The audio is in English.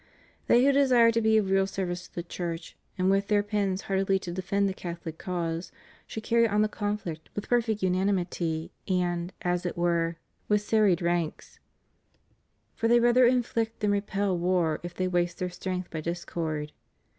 They who desire to be of real service to the Church, and with their pens heartily to defend the Catholic cause, should carry on the confhct with perfect unanimity, and, as it were, with serried ranks, for they rather inflict 334 CATHOLICITY IN THE UNITED STATES. than repel war if they waste their strength by discord.